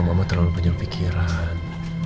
mama terlalu banyak pikiran